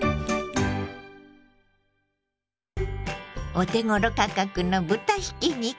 お手ごろ価格の豚ひき肉。